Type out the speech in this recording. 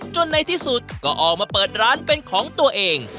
ในที่สุดก็ออกมาเปิดร้านเป็นของตัวเอง